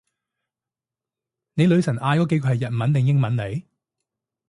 你女神嗌嗰幾句係日文定英文嚟？